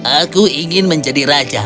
aku ingin menjadi raja